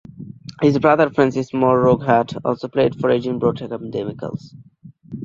His brother Francis More Roughead also played for Edinburgh Academicals.